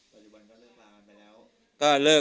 ส่วนอีกวันก็เลิกลากันไปแล้ว